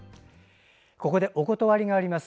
ここで、おことわりがあります。